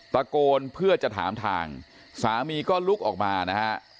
ตะโกนเพื่อจะถามทางสามีก็ลุกออกมานะฮะ